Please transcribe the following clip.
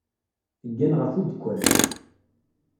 Teggan ɣef udekkan.